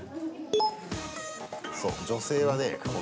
そう、女性はね